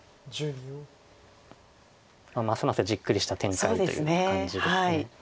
ますますじっくりした展開という感じです。